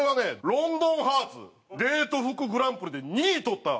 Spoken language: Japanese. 『ロンドンハーツ』デート服グランプリで２位とった。